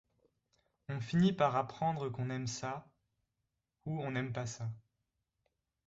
On finit par apprendre qu’on aime ça ou on n’aime pas ça.